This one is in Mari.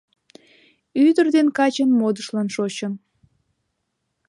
- Ӱдыр ден качын модышлан шочын.